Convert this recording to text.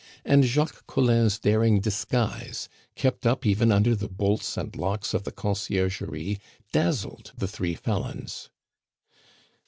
And Jacques Collin's daring disguise, kept up even under the bolts and locks of the Conciergerie, dazzled the three felons.